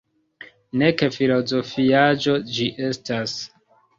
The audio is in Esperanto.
Nek filozofiaĵo ĝi estas.